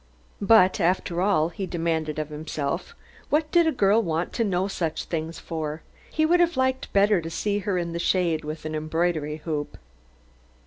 But, after all, he demanded of himself, what did a girl want to know such things for? He would have liked better to see her in the shade with an embroidery hoop.